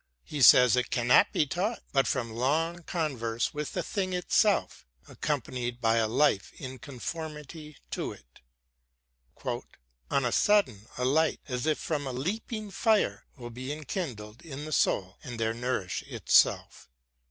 He says it cannot be taught but from long converse with the thing itself, accom panied by a life in conformity to it —" On a sudden a light, as if from a leaping fire, will be enkindled in the soul and there nourish itself."